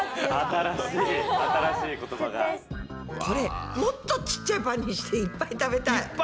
これもっとちっちゃいパンにしていっぱい食べたい。